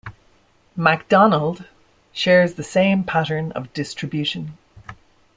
"McDonald" shares the same pattern of distribution.